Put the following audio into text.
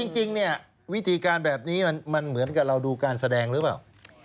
จริงเนี่ยวิธีการแบบนี้มันเหมือนกับเราดูการแสดงหรือเปล่า